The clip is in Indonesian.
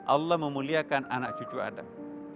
allah memuliakan anak cucu adam